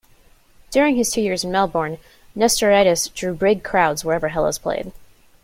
During his two years in Melbourne, Nestoridis drew big crowds where ever Hellas played.